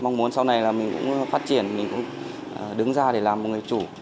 mong muốn sau này là mình cũng phát triển mình cũng đứng ra để làm một người chủ